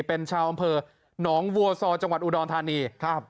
เป็นชาวอำเภอหนองวัวซอจังหวัดอุดรธานีครับ